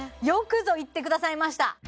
よくぞ言ってくださいました